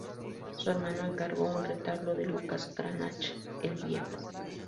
Su hermano encargó un retablo de Lucas Cranach el Viejo.